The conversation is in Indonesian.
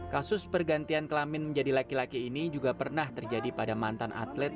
kasus pergantian kelamin menjadi laki laki ini juga pernah terjadi pada mantan atlet